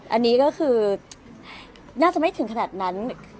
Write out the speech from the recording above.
อันนี้ก็คือน่าจะไม่ถึงขนาดนั้น